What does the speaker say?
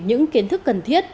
những kiến thức cần thiết